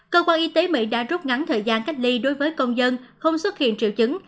cơ quan y tế mỹ đã rút ngắn thời gian cách ly đối với công dân không xuất hiện triệu chứng